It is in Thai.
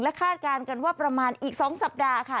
คาดการณ์กันว่าประมาณอีก๒สัปดาห์ค่ะ